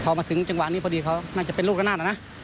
พอมาถึงจังหวะนี้พอดีเขาน่าจะเป็นลูกละนาดอะนะ